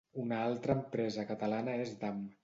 Una altra empresa catalana és Damm.